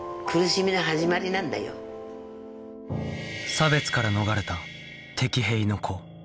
差別から逃れた敵兵の子